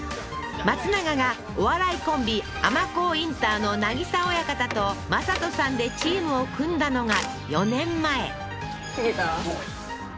松永がお笑いコンビ尼神インターの渚親方と魔裟斗さんでチームを組んだのが４年前いけた？